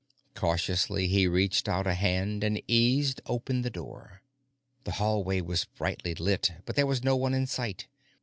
Cautiously, he reached out a hand and eased open the door. The hallway was brightly lit, but there was no one in sight.